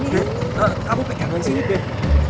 beb kamu pegangan sini beb